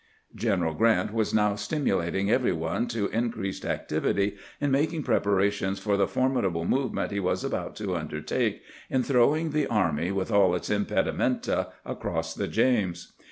" General Grrant was now stimulating every one to in creased activity in making preparations for the formid able movement he was about to undertake in throwing the army with all its impedimenta across the James.